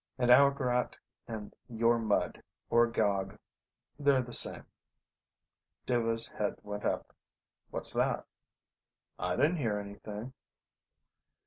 And our Grat and your Mud, or Gog: they're the same " Dhuva's head went up. "What's that?" "I didn't hear anything."